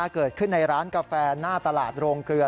เกิดขึ้นในร้านกาแฟหน้าตลาดโรงเกลือ